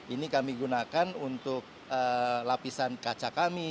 ini kami gunakan untuk lapisan kaca kami